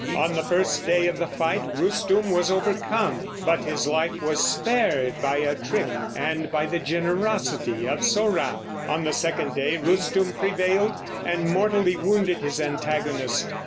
On the first day of the fight Rustum was overcome, but his life was spared by a trick and by the generosity of Sohrab. On the second day Rustum prevailed, and mortally wounded his antagonist.